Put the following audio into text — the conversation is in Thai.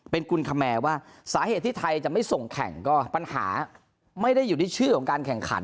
เป็นกุลคแมร์ว่าสาเหตุที่ไทยจะไม่ส่งแข่งก็ปัญหาไม่ได้อยู่ที่ชื่อของการแข่งขัน